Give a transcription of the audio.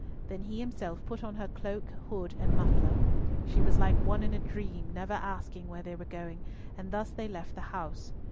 Then he himself put on her cloak, hood, and muffler. She was like one in a dream, never asking where they were going, and thus they left the house.